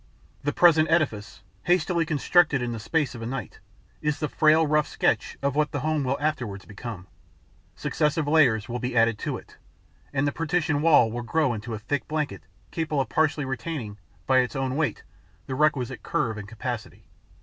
The present edifice, hastily constructed in the space of a night, is the frail rough sketch of what the home will afterwards become. Successive layers will be added to it; and the partition wall will grow into a thick blanket capable of partly retaining, by its own weight, the requisite curve and capacity.